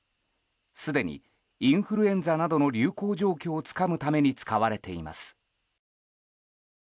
すでにインフルエンザなどの流行状況をつかむために使われています。